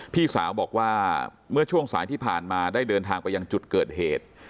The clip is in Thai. พี่สาวบอกว่าเมื่อช่วงสายที่ผ่านมาได้เดินทางไปยังจุดเกิดเหตุ